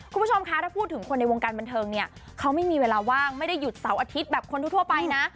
คุณผู้ชมคะถ้าพูดถึงคนในวงการบันเทิงเนี่ยเขาไม่มีเวลาว่างไม่ได้หยุดเสาร์อาทิตย์แบบคนทั่วไปนะ